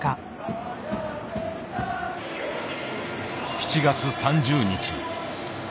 ７月３０日。